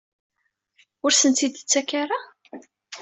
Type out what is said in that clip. Ur asen-t-id-tettak ara?